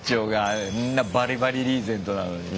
あんなバリバリリーゼントなのに。